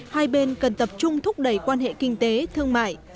hai bên cần tập trung thúc đẩy quan hệ kinh tế thương mại